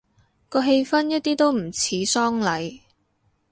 個氣氛一啲都唔似喪禮